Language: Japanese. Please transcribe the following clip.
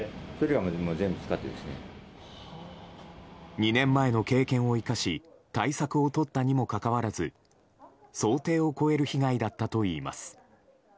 ２年前の経験を生かし対策をとったにもかかわらず想定を超える被害だったといいます。